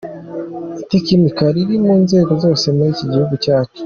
Itekinika riri mu nzego zose muri kiguhugu cyacu.